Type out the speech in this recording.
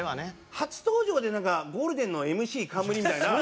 初登場でなんかゴールデンのＭＣ冠みたいな。